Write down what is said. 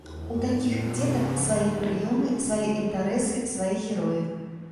У такіх дзетак свае прыёмы, свае інтарэсы, свае героі.